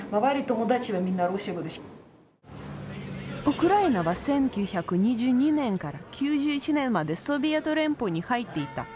ウクライナは１９２２年から９１年までソビエト連邦に入っていた。